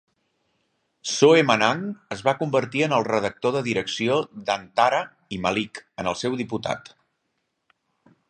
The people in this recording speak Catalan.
Soemanang es va convertir en el redactor de direcció d'Antara i Malik en el seu diputat.